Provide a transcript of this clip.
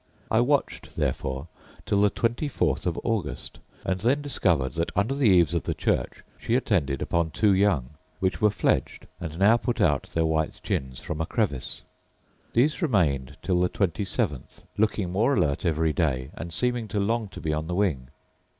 I watched therefore till the twenty fourth of August, and then discovered that, under the eaves of the church, she attended upon two young, which were fledged, and now put out their white chins from a crevice. These remained till the twenty seventh, looking more alert every day, and seeming to long to be on the wing.